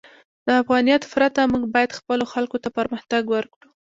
د افغانیت پرته، موږ باید خپلو خلکو ته پرمختګ ورکړو.